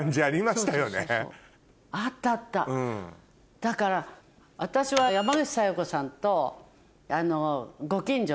だから私は山口小夜子さんと。